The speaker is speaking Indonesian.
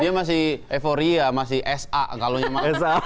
dia masih evoria masih sa kalungnya